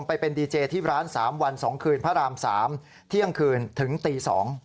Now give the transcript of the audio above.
ไปเป็นดีเจที่ร้าน๓วัน๒คืนพระราม๓เที่ยงคืนถึงตี๒